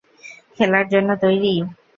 খেলার জন্য তৈরি?